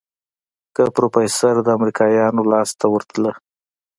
که پروفيسر د امريکايانو لاس ته ورته.